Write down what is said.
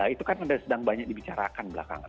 itu kan sedang banyak dibicarakan belakangan